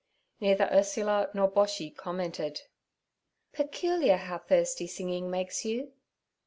Neither Ursula nor Boshy commented. 'Peculiar how thirsty singing makes you.'